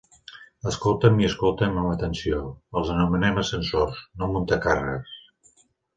Escolta'm i escolta'm amb atenció: els anomenem ascensors, no muntacàrregues.